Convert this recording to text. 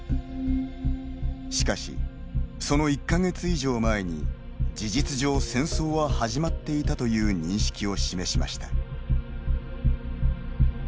しかし、その１か月以上前に「事実上、戦争は始まっていた」という認識を示しました。